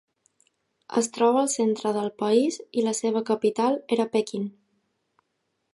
Es troba al centre del país i la seva capital era Peqin.